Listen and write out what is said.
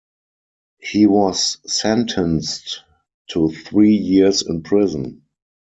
He was sentenced to three years in prison.